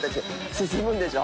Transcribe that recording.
進むんでしょ。